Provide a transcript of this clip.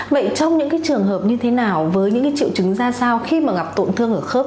vậy trong những cái trường hợp như thế nào với những cái triệu chứng ra sao khi mà gặp tổn thương ở khớp